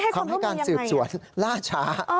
ทำให้การสืบสวนล่าช้า